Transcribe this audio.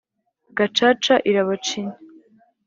gacaca Irabacinya